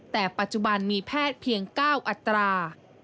แต่ปัจจุบันมีแพทย์เพียง๙อัตรา